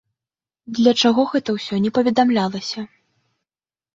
Для чаго гэта ўсё, не паведамлялася.